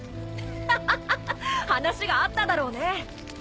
アハハハ話が合っただろうね。